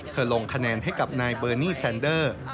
ลงคะแนนให้กับนายเบอร์นี่แซนเดอร์